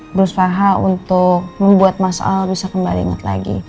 berusaha untuk membuat masalah bisa kembali inget lagi